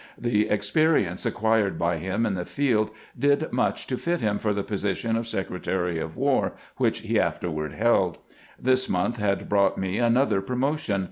The experience acquired by him in the field did much to fit him for the position of Secretary of War, which he afterward held. This month had brought me another promotion.